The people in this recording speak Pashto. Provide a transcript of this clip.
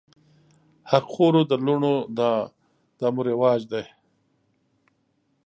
حق خورو د لوڼو دا مو رواج دی